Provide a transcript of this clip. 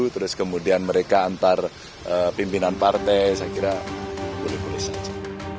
terus kemudian mereka antar pimpinan partai saya kira boleh boleh saja